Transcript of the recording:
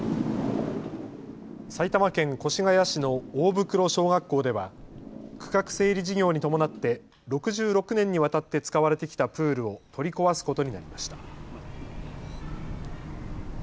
埼玉県越谷市の大袋小学校では区画整理事業に伴って６６年にわたって使われてきたプールを取り壊すことになりました。